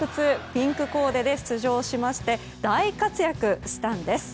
ピンクコーデで出場しまして大活躍したんです。